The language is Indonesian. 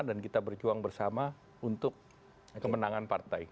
dan kita berjuang bersama untuk kemenangan partai